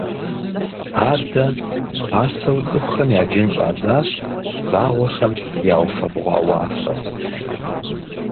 Адэ пасэу цӏыхухэм яджын щӏадзащ вагъуэхэм яуфэбгъуа уафэр.